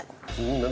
何？